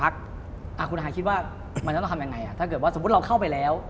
คุณหายคิดว่าเกิดว่าสมมติเราเข้าไปแล้ว